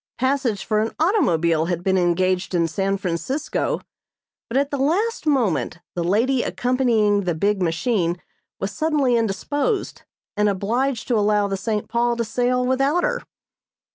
Passage for an automobile had been engaged in San Francisco, but at the last moment the lady accompanying the big machine was suddenly indisposed and obliged to allow the "St. Paul" to sail without her.